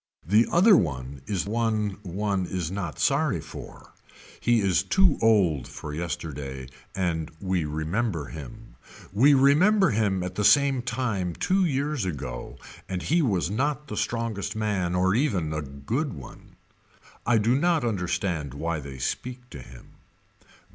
The other one is one one is not sorry for. He is too old for yesterday and we remember him. We remember him at the same time two years ago and he was not the strongest man or even the good one. I do not understand why they speak to him.